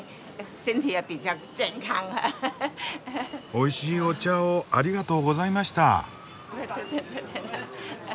おいしいお茶をありがとうございました。